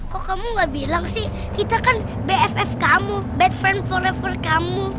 kok kamu gak bilang sih kita kan bff kamu bad friend forever kamu